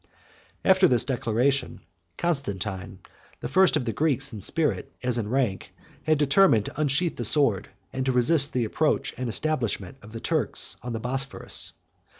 After this declaration, Constantine, the first of the Greeks in spirit as in rank, 14 had determined to unsheathe the sword, and to resist the approach and establishment of the Turks on the Bosphorus.